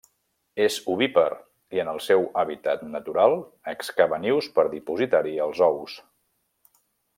És ovípar i, en el seu hàbitat natural, excava nius per dipositar-hi els ous.